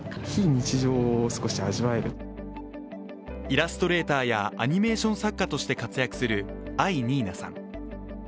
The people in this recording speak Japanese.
イラストレーターやアニメーション作家として活躍する藍にいなさん。